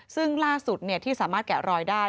ซึ่งล่าสุดที่สามารถแกะรอยได้